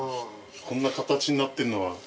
こんな形になってるのは。